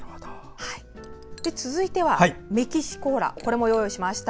続いてはメキシコ―ラも用意しました。